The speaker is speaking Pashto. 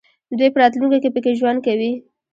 دوی په راتلونکي کې پکې ژوند کوي.